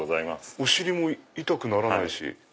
お尻も痛くならないし。